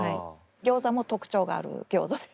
ギョーザも特徴があるギョーザです。